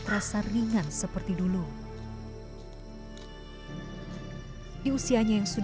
merasakan seperti dulu